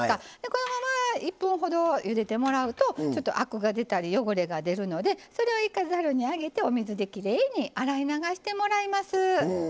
このまま１分ほどゆでてもらうとちょっとアクが出たり汚れが出るのでそれを一回ざるに上げてお水できれいに洗い流してもらいます。